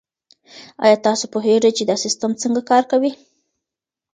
آیا تاسو پوهیږئ چي دا سیستم څنګه کار کوي؟